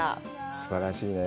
すばらしいね。